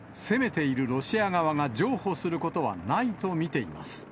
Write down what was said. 攻めているロシア側が譲歩することはないと見ています。